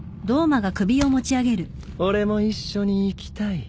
俺も一緒に行きたい。